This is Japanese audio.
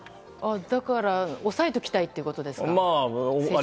だから、抑えておきたいということですか。